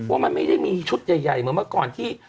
ว่ามันไม่ได้มีชุดใหญ่เหมือนเมื่อก่อนที่